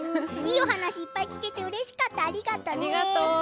いいお話いっぱい聞けてうれしかった、ありがとうね。